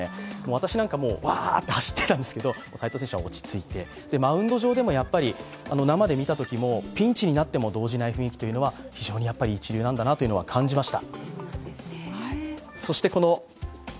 私なんか、ワーッと走ってたんですけど斎藤選手は落ち着いて、マウンド上でも、生で見たときも、ピンチになっても動じない雰囲気というのは非常に一流なんだなというのは感じました。